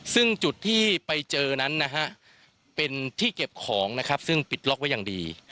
ซึ่งจุดที่ไปเจอนั้นนะฮะเป็นที่เก็บของนะครับซึ่งปิดล็อกไว้อย่างดี